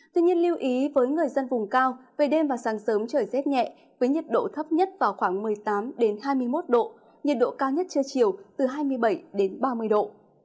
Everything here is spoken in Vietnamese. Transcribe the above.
tuy nhiên lưu ý với người dân vùng cao về đêm và sáng sớm trời rét nhẹ với nhiệt độ thấp nhất vào khoảng một mươi tám hai mươi một độ nhiệt độ cao nhất trưa chiều từ hai mươi bảy đến ba mươi độ